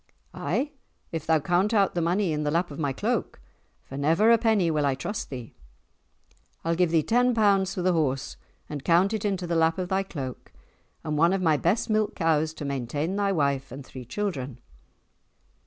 "Ay, if thou count out the money in the lap of my cloak, for never a penny will I trust thee." "I'll give thee ten pounds for the horse and count it into the lap of thy cloak, and one of my best milk cows to maintain thy wife and three children."